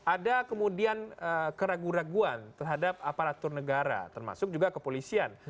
ada kemudian keraguan keraguan terhadap aparatur negara termasuk juga kepolisian